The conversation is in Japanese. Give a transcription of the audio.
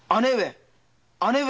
姉上！